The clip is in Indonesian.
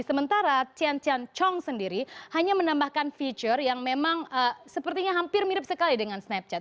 sementara tian tian chong sendiri hanya menambahkan feature yang memang sepertinya hampir mirip sekali dengan snapchat